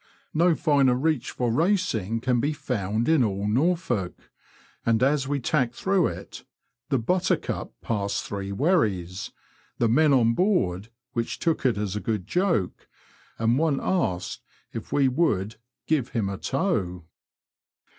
No finer reach for racing can be found in all Norfolk, and as we tacked through it, the Buttercup passed three wherries, the men on board which took it as a good joke, and one asked if we would " give him a tow."